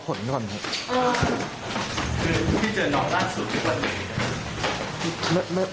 พี่เจอน้องร่างสุดท้ายเมื่อไหร่ครับ